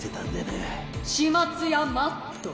始末屋マット。